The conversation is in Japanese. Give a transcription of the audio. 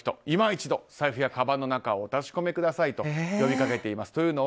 今一度、財布やカバンの中をお確かめくださいと呼びかけています。